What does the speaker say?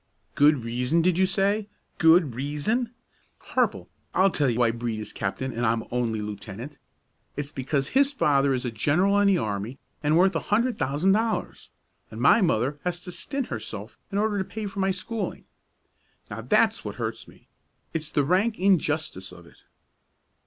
"Good reason, did you say? Good reason! Harple, I'll tell you why Brede is captain and I'm only lieutenant; it's because his father is a general in the army and worth a hundred thousand dollars, and my mother has to stint herself in order to pay for my schooling. Now, that's what hurts me; it's the rank injustice of it!"